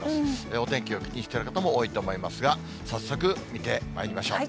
お天気を気にしている方も多いと思いますが、早速、見てまいりましょう。